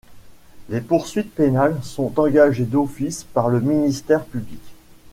Les poursuites pénales sont engagées d'office par le ministère public.